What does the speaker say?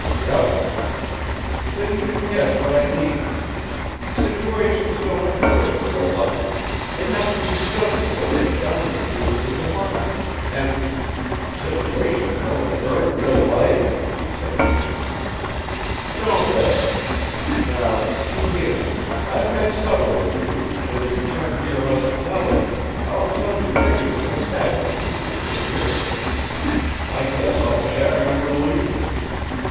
"Yep." "Then you can guess what I mean. Situations don't occur in real life, they have to be dug for in the diamond fields of the mind and " "Situations don't occur in real life!" said Jones. "Don't they now, see here, I've had supper with you and in return for your hospitality I'll tell you every thing that's happened to me if you'll hear it. I guess I'll shatter your illusions.